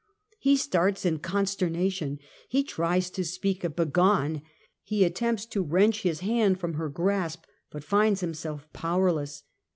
He starts in consternation^ he tries to speak a begone^ he attempts to wrench his hand from her grasp, but finds himself powerless.